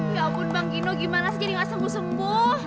ya ampun bang gino gimana sih jadi gak sembuh sembuh